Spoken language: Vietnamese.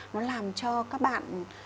nó làm cho các bạn